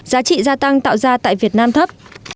giá trị gia tăng tạo ra tại việt nam thấp